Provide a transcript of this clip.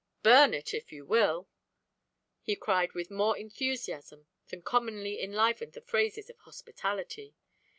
Burn it if you will!" he cried with more enthusiasm than commonly enlivened the phrases of hospitality.